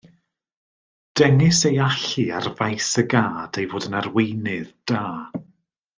Dengys ei allu ar faes y gad ei fod yn arweinydd da